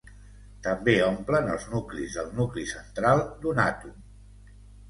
També omplen els nuclis del nucli central d'un àtom.